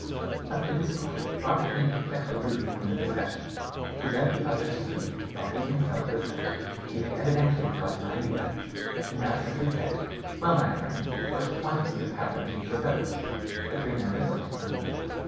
Up to this point Barbicane had kept aloof from the discussion; he left the others to speak while he himself listened; he had evidently got an idea. He now simply said, "Well, my friends, what quantity of powder do you propose?" The three members looked at one another.